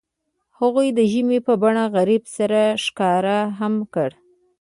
هغوی د ژمنې په بڼه غروب سره ښکاره هم کړه.